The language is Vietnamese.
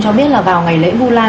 cho biết là vào ngày lễ vô lan